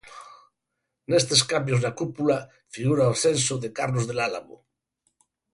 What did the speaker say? Nestes cambios na cúpula figura o ascenso de Carlos del Álamo.